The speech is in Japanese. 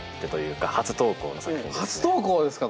初投稿ですか？